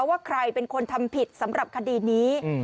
ว่าใครเป็นคนทำผิดสำหรับคดีนี้